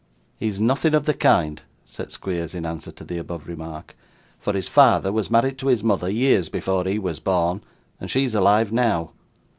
'He's nothing of the kind,' said Squeers, in answer to the above remark, 'for his father was married to his mother years before he was born, and she is alive now.